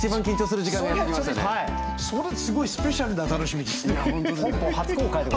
それすごいスペシャルな楽しみですね。